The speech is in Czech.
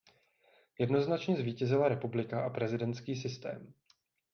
Jednoznačně zvítězila republika a prezidentský systém.